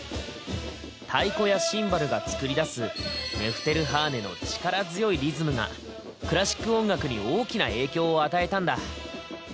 太鼓やシンバルが作り出すメフテルハーネの力強いリズムがクラシック音楽に大きな影響を与えたんだ。